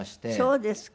そうですか。